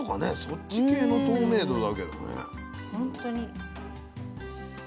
そっち系の透明度だけどね。